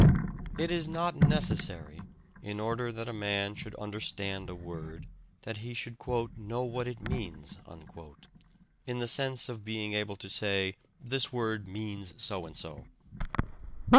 It is not necessary, in order that a man should "understand" a word, that he should "know what it means," in the sense of being able to say "this word means so and so."